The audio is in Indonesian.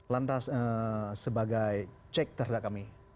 lantas sebagai cek terhadap kami